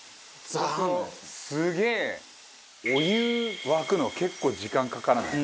するとすげえお湯沸くの結構時間かからない？